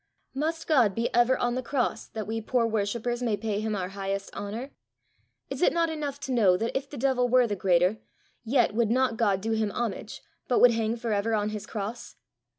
Must God be ever on the cross, that we poor worshippers may pay him our highest honour? Is it not enough to know that if the devil were the greater, yet would not God do him homage, but would hang for ever on his cross?